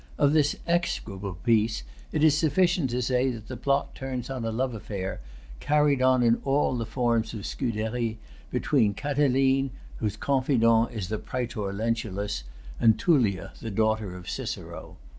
Of this execrable piece it is sufficient to say that the plot turns on a love affair, carried on in all the forms of Scudery, between Catiline, whose confidant is the Prætor Lentulus, and Tullia, the daughter of Cicero.